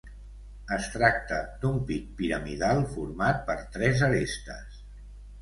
Es tracta d'un pic piramidal format per tres arestes.